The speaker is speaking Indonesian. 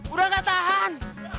udah gak tahan